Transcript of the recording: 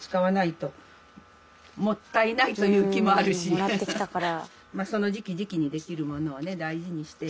うんもらってきたから。